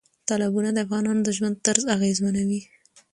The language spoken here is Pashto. تالابونه د افغانانو د ژوند طرز اغېزمنوي.